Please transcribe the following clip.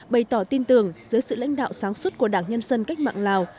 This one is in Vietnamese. bày tỏ tin tưởng dưới sự lãnh đạo sáng suốt của đảng nhân dân cách mạng lào